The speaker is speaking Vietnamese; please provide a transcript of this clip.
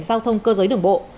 giao thông cơ giới đường bộ